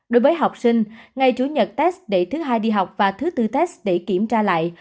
đối với học sinh ngày chủ nhật test để thứ hai đi học và thứ tư test để kiểm tra lại